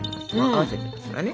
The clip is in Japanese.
合わせてますからね。